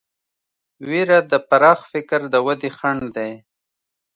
وېره د پراخ فکر د ودې خنډ دی.